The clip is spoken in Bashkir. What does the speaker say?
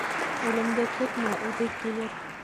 Үлемде көтмә, үҙе килер.